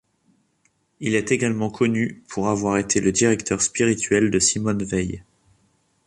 Il est également connu pour avoir été le directeur spirituel de Simone Weil.